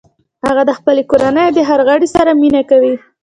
هغه د خپلې کورنۍ د هر غړي سره مینه کوي